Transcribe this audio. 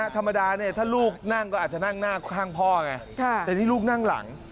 ธรรมดาเนี่ยถ้าลูกนั่งก็อาจจะนั่งหน้าข้างพ่อไงแต่นี่ลูกนั่งหลัง